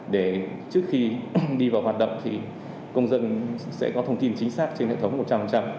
để trước khi đi vào hoạt động thì công dân sẽ có thông tin chính xác trên hệ thống một trăm linh